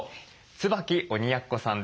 椿鬼奴さんです。